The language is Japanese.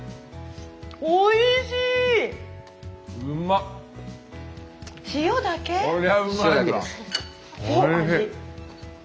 おいしいね！